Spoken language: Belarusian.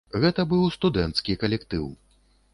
Гэта быў студэнцкі калектыў.